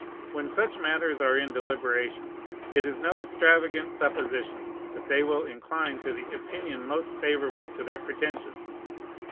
When such matters are in deliberation, it is no extravagant supposition that they will incline to the opinion most favorable to their pretensions.